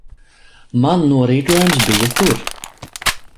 Man norīkojums bija tur.